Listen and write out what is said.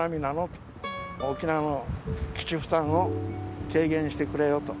と、沖縄の基地負担を軽減してくれよと。